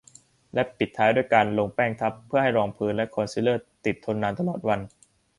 และปิดท้ายด้วยการลงแป้งทับเพื่อให้รองพื้น และคอนซีลเลอร์ ให้ติดทนนานตลอดวัน